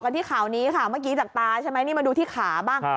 ที่ข่าวนี้ค่ะเมื่อกี้จากตาใช่ไหมนี่มาดูที่ขาบ้าง